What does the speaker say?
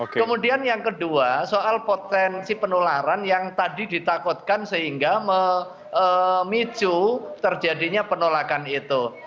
kemudian yang kedua soal potensi penularan yang tadi ditakutkan sehingga memicu terjadinya penolakan itu